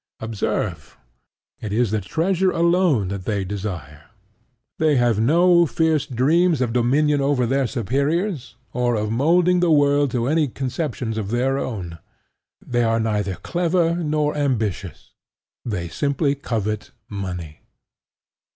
Observe, it is the treasure alone that they desire. They have no fierce dreams of dominion over their superiors, or of moulding the world to any conceptions of their own. They are neither clever nor ambitious: they simply covet money.